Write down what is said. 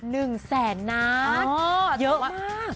หนึ่งแสนนัดเยอะมาก